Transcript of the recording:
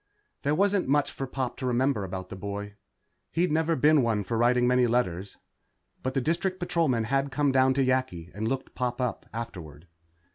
There wasn't much for Pop to remember about the boy. He'd never been one for writing many letters. But the District Patrolman had come down to Yakki and looked Pop up afterward.